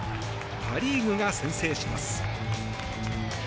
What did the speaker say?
パ・リーグが先制します。